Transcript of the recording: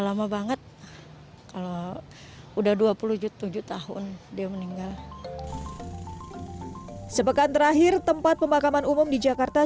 lama banget kalau udah dua puluh tujuh tahun dia meninggal sepekan terakhir tempat pemakaman umum di jakarta